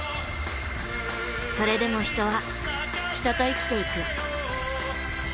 それでも人は人と生きていく。